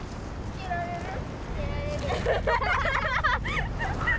着られるよ。